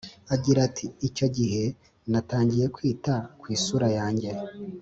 Agira Ati Icyo Gihe Natangiye Kwita Ku Isura Yanjye